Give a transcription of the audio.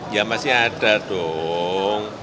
ya pasti ada dong